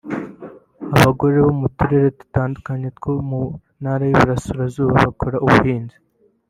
Abagore bo mu turere dutandukanye two mu Ntara y’Iburasirazuba bakora ubuhinzi